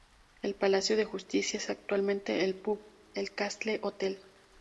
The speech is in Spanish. El palacio de justicia es actualmente un pub, el Castle Hotel.